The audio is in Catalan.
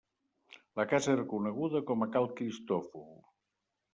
La casa era coneguda com a Cal Cristòfol.